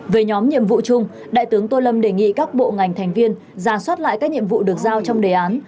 về nhóm nhiệm vụ chung đại tướng tô lâm đề nghị các bộ ngành thành viên ra soát lại các nhiệm vụ được giao trong đề án